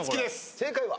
正解は？